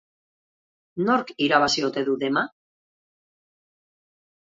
Nork irabazi ote du dema?